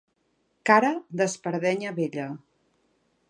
Cara d'espardenya vella.